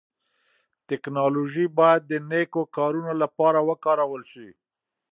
ټکنالوژي بايد د نيکو کارونو لپاره وکارول سي.